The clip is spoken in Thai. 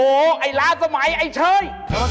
โอ้โหไอ้ร้านสมัยไอ้เชย